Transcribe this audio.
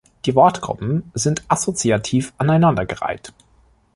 Die Wortgruppen sind assoziativ aneinandergereiht.